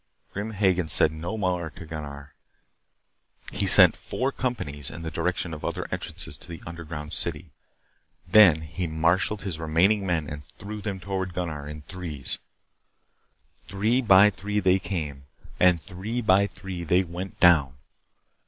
Grim Hagen said no more to Gunnar. He sent four companies in the direction of other entrances to the underground city. Then he martialled his remaining men and threw them toward Gunnar in threes. Three by three they came, and three by three they went down.